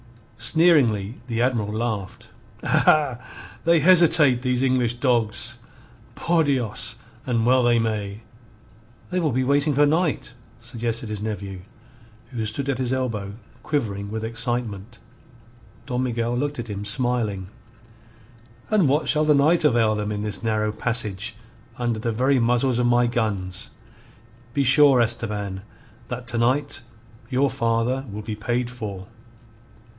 Sneeringly the Admiral laughed. "Aha! They hesitate, these English dogs! Por Dios, and well they may." "They will be waiting for night," suggested his nephew, who stood at his elbow quivering with excitement. Don Miguel looked at him, smiling. "And what shall the night avail them in this narrow passage, under the very muzzles of my guns? Be sure, Esteban, that to night your father will be paid for."